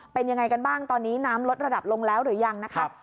เป็นยังไงกันบ้างตอนนี้น้ำลดระดับลงแล้วหรือยังนะคะ